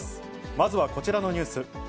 まずはこちらのニュース。